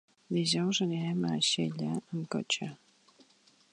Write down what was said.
Dijous anirem a Xella amb cotxe.